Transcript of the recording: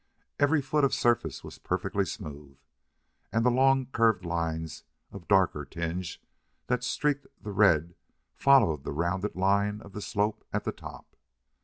Every foot of surface was perfectly smooth, and the long curved lines of darker tinge that streaked the red followed the rounded line of the slope at the top.